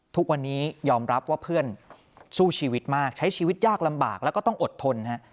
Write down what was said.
ทุกวันนี้ยอมรับว่าเพื่อนสู้ชีวิตมากใช้ชีวิตยากลำบากแล้วก็ต้องอดทนฮะ